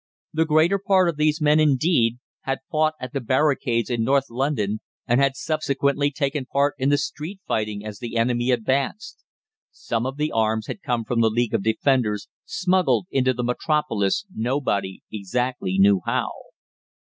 The greater part of those men, indeed, had fought at the barricades in North London, and had subsequently taken part in the street fighting as the enemy advanced. Some of the arms had come from the League of Defenders, smuggled into the Metropolis nobody exactly knew how.